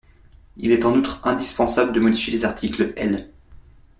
Il est en outre indispensable de modifier les articles L.